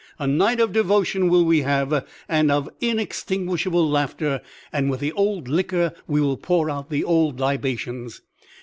"A night of devotion will we have, and of inextinguishable laughter; and with the old liquor we will pour out the old libations.